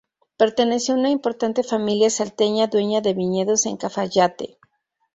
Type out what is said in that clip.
Perteneció a una importante familia salteña, dueña de viñedos en Cafayate.